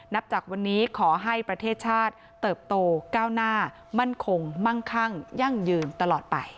นับจากวันนี้ขอให้ประเทศชาติเติบโตก้าวหน้ามั่นคงมั่งคั่งยั่งยืนตลอดไป